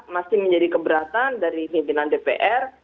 masih menjadi keberatan dari pimpinan dpr